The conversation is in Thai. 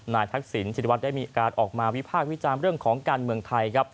นายทักศิลป์สินตีวัดได้มีออกมาวิบากวิจารณ์เรื่องของการเมืองไทย